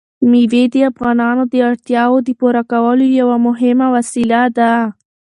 مېوې د افغانانو د اړتیاوو د پوره کولو یوه مهمه وسیله ده.